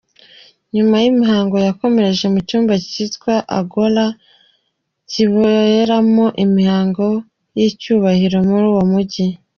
Nyuma imihango yakomereje mu cyumba cyitwa Agora kiberamo imihango y’icyubahiro muri uwo mujyi.